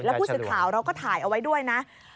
ผู้สื่อข่าวเราก็ถ่ายเอาไว้ด้วยนะ